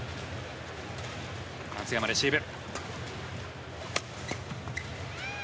松山、レシーブ。